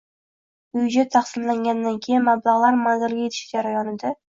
Byudjet taqsimlangandan keyin mablag‘lar manzilga yetishi jarayonida